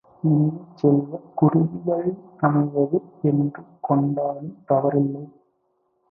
இனிய செல்வ, குருதி வழி அமைவது என்று கொண்டாலும் தவறில்லை.